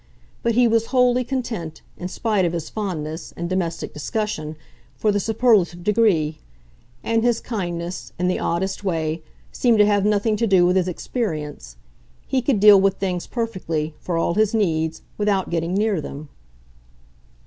But he was wholly content, in spite of his fondness, in domestic discussion, for the superlative degree; and his kindness, in the oddest way, seemed to have nothing to do with his experience. He could deal with things perfectly, for all his needs, without getting near them.